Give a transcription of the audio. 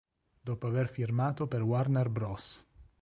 Dopo aver firmato per Warner Bros.